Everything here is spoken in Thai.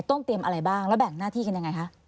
ต้องเตรียมอะไรบ้างแล้วแบ่งหน้าที่กันยังไงคะ